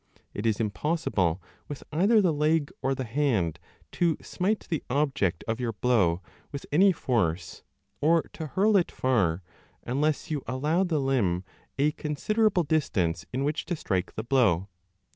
It is impossible with either the leg or the hand to smite the object of your blow with any 10 force or to hurl it far, unless you allow the limb a con siderable distance in which to strike the blow.